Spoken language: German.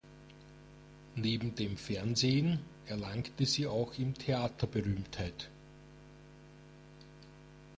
Neben dem Fernsehen erlangte sie auch im Theater Berühmtheit.